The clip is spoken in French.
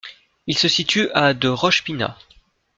Il se situe à de Rosh Pina.